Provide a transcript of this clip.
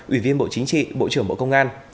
ủy viên bộ chính trị bộ trưởng bộ công an